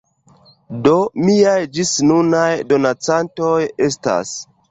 Do, miaj ĝisnunaj donacantoj estas